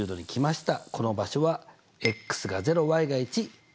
この場所はが０が１。